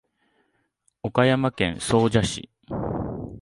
岡山県総社市